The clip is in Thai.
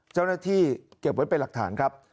เจ้าหน้าที่เก็บไว้เป็นหลักฐานครับ